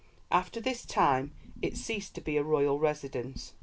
After this time it ceased to be a royal residence.